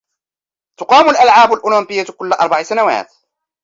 تقام الألعاب الأولمبية كل أربع سنوات